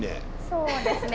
そうですね。